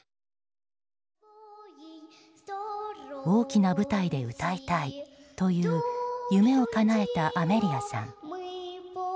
大きな舞台で歌いたいという夢をかなえたアメリアさん。